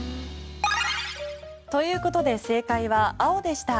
ということで正解は青でした。